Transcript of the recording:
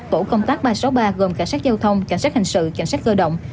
tổ công tác ba trăm sáu mươi ba gồm cảnh sát giao thông cảnh sát hình sự cảnh sát cơ động